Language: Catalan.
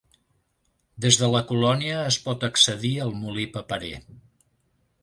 Des de la colònia es pot accedir al molí paperer.